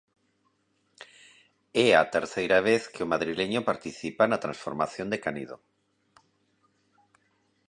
É a terceira vez que o madrileño participa na transformación de Canido.